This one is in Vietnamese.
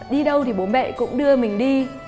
đi đâu thì bố mẹ cũng đưa mình đi